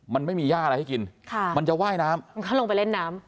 มันไม่มีย่าอะไรให้กินค่ะมันจะว่ายน้ำมันก็ลงไปเล่นน้ำ